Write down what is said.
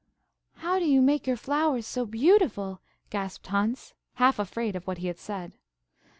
"How do you make your flowers so beautiful?" gasped Hans, half afraid of what he had said.